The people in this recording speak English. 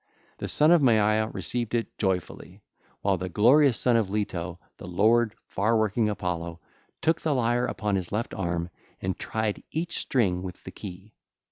The son of Maia received it joyfully, while the glorious son of Leto, the lord far working Apollo, took the lyre upon his left arm and tried each string with the key.